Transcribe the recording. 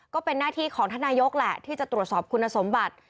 ก็เป็นหน้าที่ของท่านนายกแหละที่จะตรวจสอบคุณสมบัติ